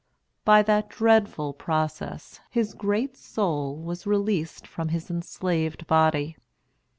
By that dreadful process his great soul was released from his enslaved body.